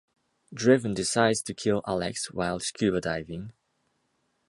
Drevin decides to kill Alex while scuba diving.